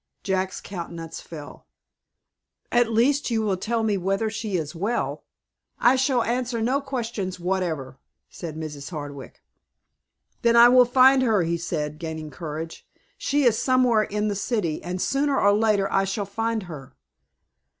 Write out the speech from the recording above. Jack's countenance fell. "At least you will tell me whether she is well?" "I shall answer no questions whatever," said Mrs. Hardwick. "Then I will find her," he said, gaining courage. "She is somewhere in the city, and sooner or later I shall find her."